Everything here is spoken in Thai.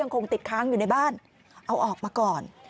คงติดค้างอยู่ในบ้านเอาออกมาก่อน